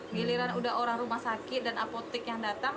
giliran udah orang rumah sakit dan apotek yang datang